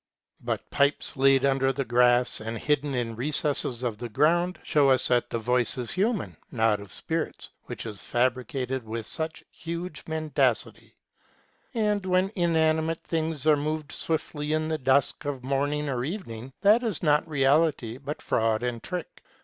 But pipes laid under the grass, and hidden in recesses of the ground, show us that the voice is human, not of spirits, which is fabricated with 346 THE NON EXISTENCE OF MAGIC. such huge mendacity. And when inanimate things are moved swiftly in the dusk, of morning or evening, that is not reality, but fraud and trick.